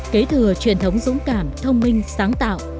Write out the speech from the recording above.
kế thừa truyền thống dũng cảm thông minh sáng tạo